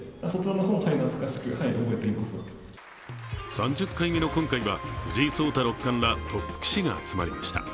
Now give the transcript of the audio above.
３０回目の今回は、藤井聡太六冠らトップ棋士が集まりました。